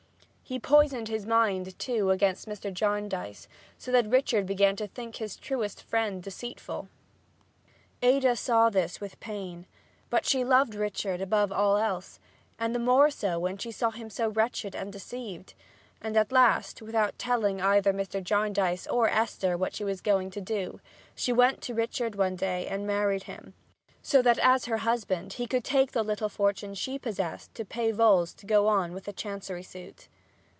He poisoned his mind, too, against Mr. Jarndyce, so that Richard began to think his truest friend deceitful. Ada saw this with pain, but she loved Richard above all else, and the more so when she saw him so wretched and deceived; and at last, without telling either Mr. Jarndyce or Esther what she was going to do, she went to Richard one day and married him, so that, as her husband, he could take the little fortune she possessed to pay Vholes to go on with the chancery suit.